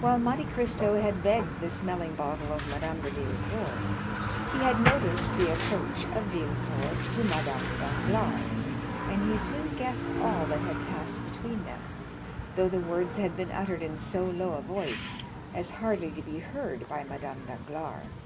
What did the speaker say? While Monte Cristo had begged the smelling bottle of Madame de Villefort, he had noticed the approach of Villefort to Madame Danglars, and he soon guessed all that had passed between them, though the words had been uttered in so low a voice as hardly to be heard by Madame Danglars.